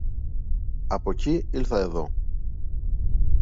Από κει ήλθα εδώ.